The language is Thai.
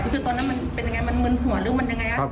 คือตอนนั้นมันเป็นยังไงมันมึนหัวหรือมันยังไงครับ